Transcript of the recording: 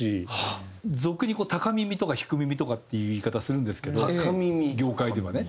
俗に「高耳」とか「低耳」とかっていう言い方するんですけど業界ではね。